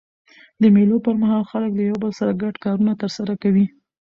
د مېلو پر مهال خلک له یو بل سره ګډ کارونه ترسره کوي.